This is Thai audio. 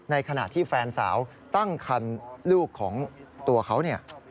ในขณะที่แฟนสาวตั้งคันลูกของตัวเขาเนี่ย